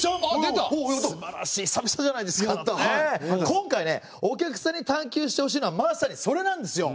今回ねお客さんに探究してほしいのはまさにそれなんですよ！